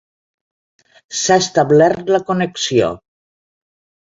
S'ha establert la connexió.